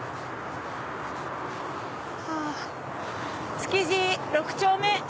「築地六丁目」。